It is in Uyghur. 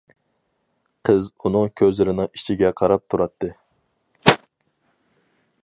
قىز ئۇنىڭ كۆزلىرىنىڭ ئىچىگە قاراپ تۇراتتى.